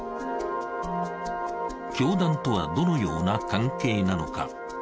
教団とはどのような関係なのか。